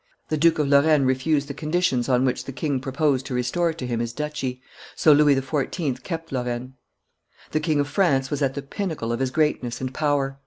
The Duke of Lorraine refused the conditions on which the king proposed to restore to him his duchy; so Louis XIV. kept Lorraine. The King of France was at the pinnacle of his greatness and power.